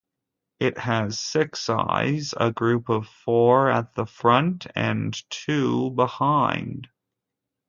It has six eyes, a group of four at the front and two behind.